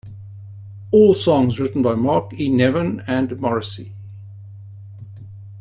All songs written by Mark E. Nevin and Morrissey.